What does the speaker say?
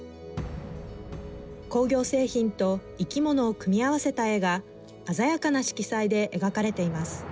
工業製品と生き物を組み合わせた絵が鮮やかな色彩で描かれています。